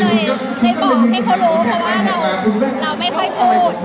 เลยบอกให้เขารู้เพราะว่าเราไม่ค่อยพูด